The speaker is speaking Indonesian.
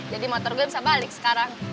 jadi motor gue bisa balik sekarang